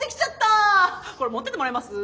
これ持っててもらえます？